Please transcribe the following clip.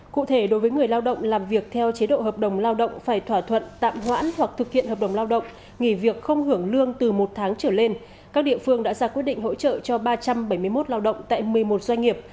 cụ thể đối với người lao động làm việc theo chế độ hợp đồng lao động phải thỏa thuận tạm hoãn hoặc thực hiện hợp đồng lao động nghỉ việc không hưởng lương từ một tháng trở lên các địa phương đã ra quyết định hỗ trợ cho ba trăm bảy mươi một lao động tại một mươi một doanh nghiệp